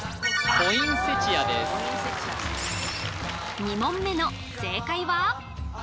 ポインセチア２問目の正解は？